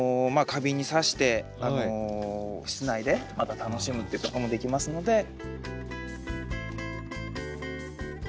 まあ花瓶に挿して室内でまた楽しむっていうこともできますので。